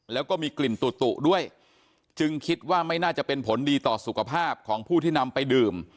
แล้วก็มีกลิ่นตุด้วยจึงคิดว่าไม่น่าจะเป็นผลดีต่อสุขภาพของผู้ที่นำไปดื่ม